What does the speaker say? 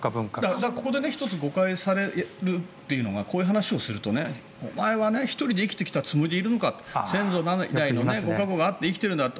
ここで１つ誤解されるのがこういう話をされるとお前は１人で生きてきたつもりでいるのか先祖様のご加護があって生きてるんだって。